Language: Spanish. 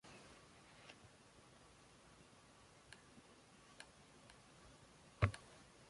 La estatuilla fue llamada consecuentemente "El Susurro".